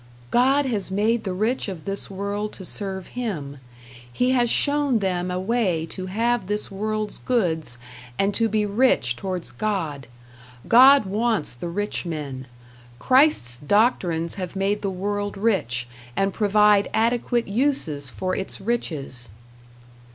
"God has made the rich of this world to serve Him.... He has shown them a way to have this world's goods and to be rich towards God....God wants the rich men.... Christ's doctrines have made the world rich, and provide adequate uses for its riches."